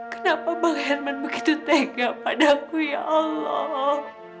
kenapa bang herman begitu tega padaku ya allah